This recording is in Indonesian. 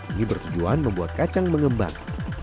ini bertujuan membuat kacang mengembang